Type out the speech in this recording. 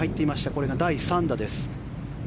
これが第３打です。